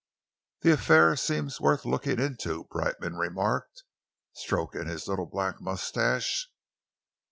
"The affair seems worth looking into," Brightman remarked, stroking his little black moustache.